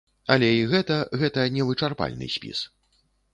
Але і гэта гэта не вычарпальны спіс.